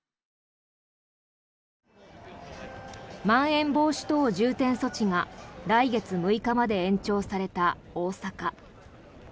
まん延防止等重点措置が来月６日まで延長された大阪。